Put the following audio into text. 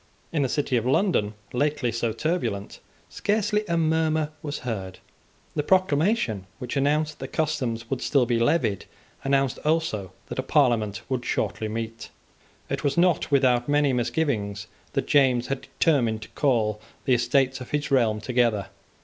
In the City of London, lately so turbulent, scarcely a murmur was heard. The proclamation, which announced that the customs would still be levied, announced also that a Parliament would shortly meet. It was not without many misgivings that James had determined to call the Estates of his realm together.